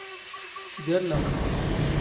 ⵜⵜⴳⴰⵍⵍⴰⵖ!